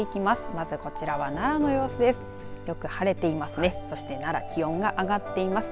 まずはこちら奈良の様子です